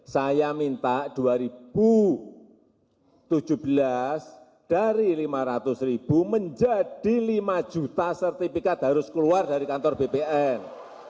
saya minta dua ribu tujuh belas dari rp lima ratus ribu menjadi lima juta sertifikat harus keluar dari kantor bpn